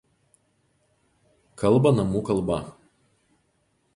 Kalba namų kalba.